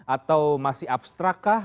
atau masih abstrak kah